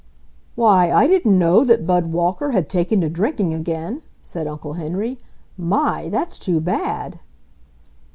"Why, I didn't know that Bud Walker had taken to drinking again!" said Uncle Henry. "My! That's too bad!"